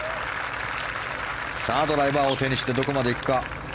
さあ桂川、ドライバーを手にしてどこまでいくか。